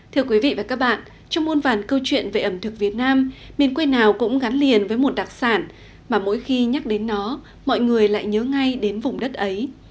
thưa quý vị và các bạn trong muôn vàn câu chuyện về ẩm thực việt nam miền quê nào cũng gắn liền với một đặc sản mà mỗi khi nhắc đến nó mọi người lại nhớ ngay đến vùng đất ấy